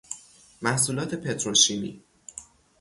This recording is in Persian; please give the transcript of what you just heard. محصولات پتروشیمی